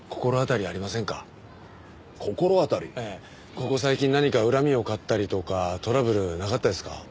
ここ最近何か恨みを買ったりとかトラブルなかったですか？